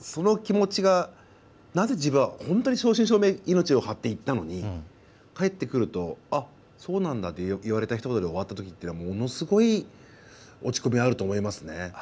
その気持ちがなぜ、自分は正真正銘命を張っていったのに帰ってくると「そうなんだ」って言われたひと言で終わったときものすごい落ち込みがあると思いますね。